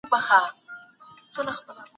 عبدالوالي زاهد عزت الله اميد